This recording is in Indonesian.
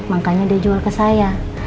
makanya dia jual ke saya